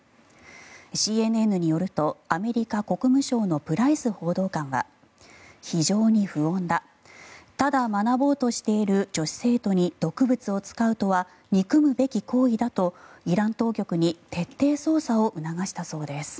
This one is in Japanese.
ＣＮＮによるとアメリカ国務省のプライス報道官は非常に不穏だただ学ぼうとしている女子生徒に毒物を使うとは憎むべき行為だとイラン当局に徹底捜査を促したそうです。